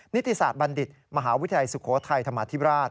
นิติศาสตร์บัณฑิตมหาวิทยาลัยสุโขทัยธรรมาธิราช